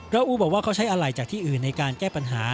อูบอกว่าเขาใช้อะไรจากที่อื่นในการแก้ปัญหา